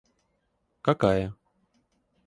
какая